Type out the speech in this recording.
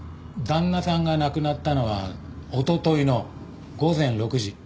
旦那さんが亡くなったのはおとといの午前６時。